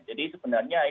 jadi sebenarnya ini hanya